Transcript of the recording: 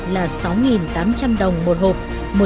là sáu tám trăm linh đồng một hộp